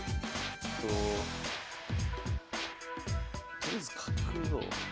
とりあえず角を。